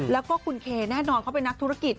แล้วก็คุณเคแน่นอนเขาเป็นนักธุรกิจ